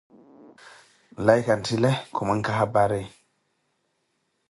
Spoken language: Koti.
Nlaiku nttile kumwinka hapari